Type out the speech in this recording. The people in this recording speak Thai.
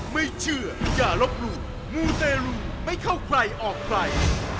ไม่เชื่ออย่าลบหลู่มูเตรลูไม่เข้าใครออกใคร